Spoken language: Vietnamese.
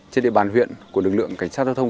trên địa bàn huyện của lực lượng cảnh sát giao thông